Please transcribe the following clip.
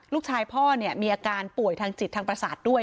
ลูกชายพ่อมีอาการป่วยทางจิตทางประสาทด้วย